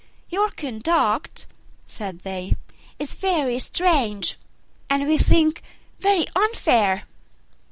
"Your conduct," said they, "is very strange and, we think, very unfair.